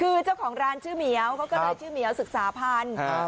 คือเจ้าของร้านชื่อเหมียวเขาก็ได้ชื่อเหมียวศึกษาพันธุ์